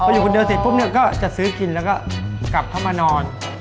อยู่คนเดียวเสร็จปุ๊บเนี่ยก็จะซื้อกินแล้วก็กลับเข้ามานอน